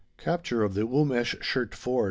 CAPTURE OF THE UMM ESH SHERT FORD.